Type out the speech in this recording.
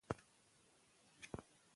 که هڅه وي نو ناکامي نه پاتیږي.